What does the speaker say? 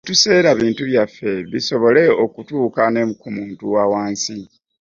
Tetuseera bintu byaffe bisobole okutuuka ne ku muntu wawansi.